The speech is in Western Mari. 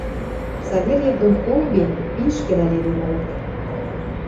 Савельев дон Колбин пиш керӓл эдем ылыт...